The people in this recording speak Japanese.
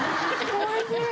おいしい。